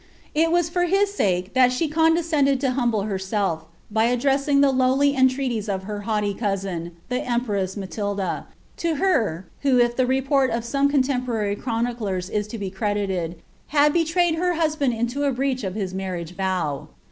It was for his sake ^lini she coudftirended to humble herself, by addressing the most lowly ' liiiTsties to her haughty cou^n, ilie empress Matilda — to her, who, if f leporl of some contemporary chroniclers is to be credited, had Lttmycd ber husband into a breach of his iimrriage vow.